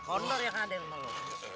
gawat gondor yang ada yang mau